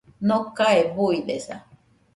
Nokae buidesa